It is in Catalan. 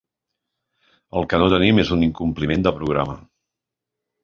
El que no tenim és un incompliment de programa.